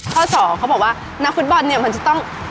ข้อสองเขาบอกว่านักฟุตบอลจะต้อง